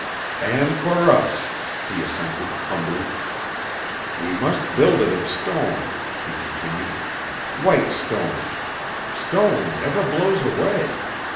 "And for us," he assented, humbly. "We must build it of stone," he continued. "White stone. Stone never blows away.